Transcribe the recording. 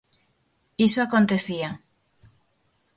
Iso acontecía.